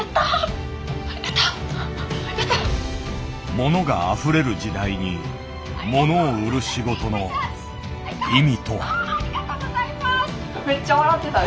物があふれる時代に物を売る仕事の意味とは。